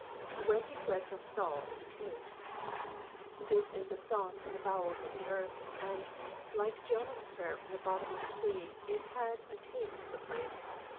When he fled from Saul in the cave. This is a song from the Imoels of the earth, and, like Jonah's prayer from the bottom of the sea, it has a taste of the place.